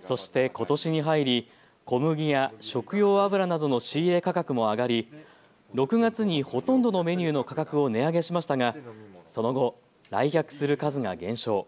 そして、ことしに入り小麦や食用油などの仕入れ価格も上がり６月にほとんどのメニューの価格を値上げしましたがその後、来客する数が減少。